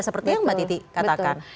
seperti yang mbak titi katakan